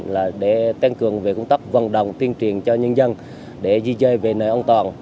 là để tăng cường về công tác vận động tiên truyền cho nhân dân để di rời về nơi an toàn